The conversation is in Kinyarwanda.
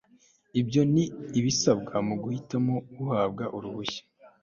ibyo ni ibisabwa mu guhitamo uhabwa uruhushya